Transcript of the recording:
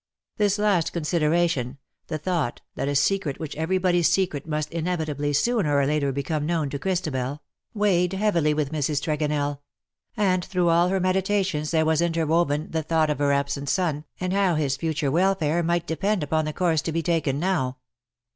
This last consideration — the thought, that a secret which was everybody's secret must inevitably, sooner or later, become known to Christabel — weighed heavily with Mrs. Tregonell ; and through all her meditations there was interwoven the thought of her absent son, and how his future welfare might depend upon the course to be taken now.